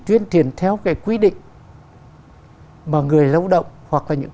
chuyên truyền theo cái quy định mà người lao động hoặc là những